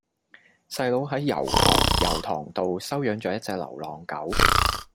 細佬喺油塘油塘道收養左一隻流浪狗